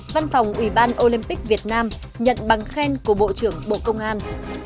văn phòng ủy ban olympic việt nam nhận bằng khen của bộ trưởng bộ công an